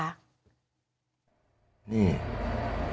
นี่